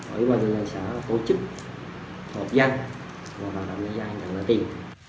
ở ý quan thì là xã phổ chức hợp danh và làm ra tiền